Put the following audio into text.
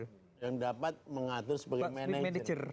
yang dapat mengatur sebagai manajer